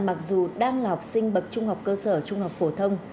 mặc dù đang là học sinh bậc trung học cơ sở trung học phổ thông